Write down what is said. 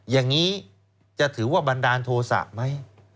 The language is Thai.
อย่างนี้จะถือว่าบันดาลโทษะไหม